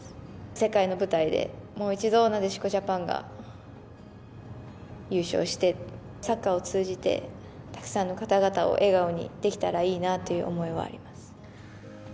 世界の舞台でもう一度、なでしこジャパンが優勝して、サッカーを通じて、たくさんの方々を笑顔にできたらいいなという思いはあります。